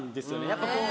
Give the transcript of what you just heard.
やっぱこう。